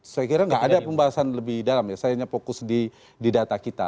saya kira nggak ada pembahasan lebih dalam ya saya hanya fokus di data kita